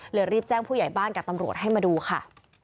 รีบแจ้งผู้ใหญ่บ้านกับตำรวจให้มาดูค่ะ